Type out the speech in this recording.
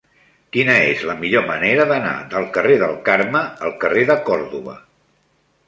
Quina és la millor manera d'anar del carrer del Carme al carrer de Còrdova?